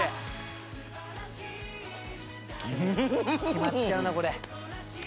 決まっちゃうなこれ。